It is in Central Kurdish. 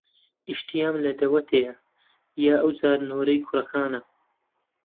ئیشتیام لە داوەتێ یە ئەو جار نۆرەی کوڕەکانە